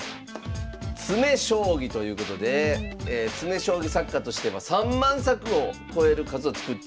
詰将棋ということで詰将棋作家としては３万作を超える数を作っておられる。